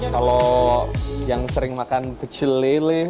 kalau yang sering makan kecil lele